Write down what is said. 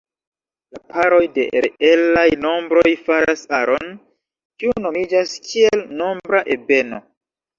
La paroj de reelaj nombroj faras aron, kiu nomiĝas kiel nombra ebeno.